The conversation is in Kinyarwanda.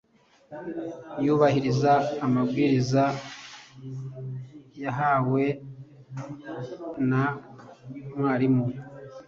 yubahiriza amabwiriza yahawena mwarimu